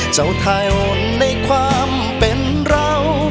เจ้าทายห่วงในความเป็นเรา